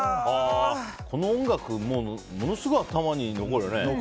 この音楽ものすごい頭に残るね。